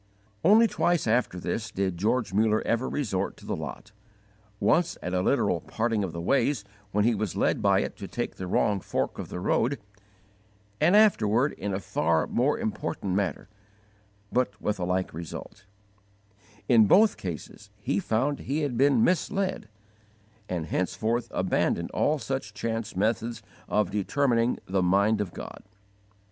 Only twice after this did George Muller ever resort to the lot: once at a literal parting of the ways when he was led by it to take the wrong fork of the road, and afterward in a far more important matter, but with a like result: in both cases he found he had been misled, and henceforth abandoned all such chance methods of determining the mind of God.